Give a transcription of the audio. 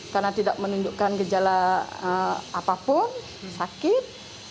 karena tidak menunjukkan gejala apapun sakit